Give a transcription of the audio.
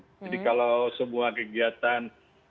jadi kalau semua kegiatan